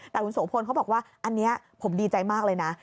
แต่คุณโสพลเขาบอกว่าอันนี้ผมดีใจมากเลยนะ